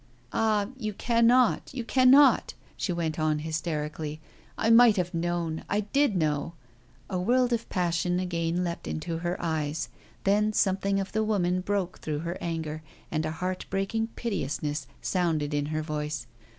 "Ah, you cannot you cannot," she went on hysterically. "I might have known, I did know." A world of passion again leapt into her eyes. Then something of the woman broke through her anger, and a heart breaking piteousness sounded in her voice.